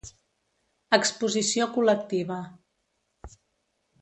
Exposició Col·lectiva.